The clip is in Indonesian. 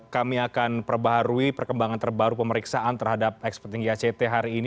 kami akan perbaharui perkembangan terbaru pemeriksaan terhadap ex petinggi act hari ini